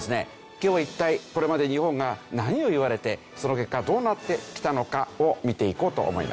今日は一体これまで日本が何を言われてその結果どうなってきたのかを見ていこうと思います。